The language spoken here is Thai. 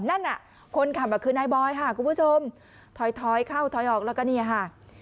นั่นอ่ะคนขับคือนายบอยค่ะคุณผู้ชมถอยเข้าถอยออกแล้วก็เนี่ยค่ะ